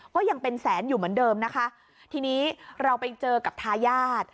ก็ยังเป็นแสนอยู่เหมือนเดิมนะคะทีนี้เราไปเจอกับทายาท